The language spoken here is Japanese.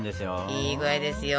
いい具合ですよ。